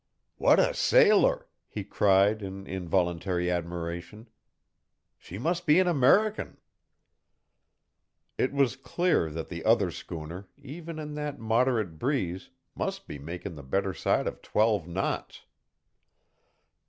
"What a sailer!" he cried in involuntary admiration. "She must be an American!" It was clear that the other schooner, even in that moderate breeze, must be making the better side of twelve knots.